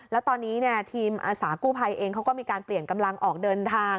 แล้วตอนนี้ทีมอาสากู้ภัยเองเขาก็มีการเปลี่ยนกำลังออกเดินทาง